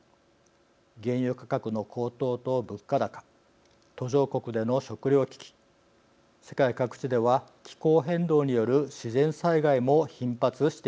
原油価格の高騰と物価高途上国での食料危機世界各地では気候変動による自然災害も頻発しています。